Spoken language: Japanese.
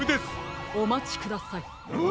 おまちください。